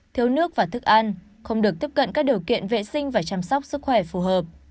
thiếu nước và thức ăn không được tiếp cận các điều kiện vệ sinh và chăm sóc sức khỏe phù hợp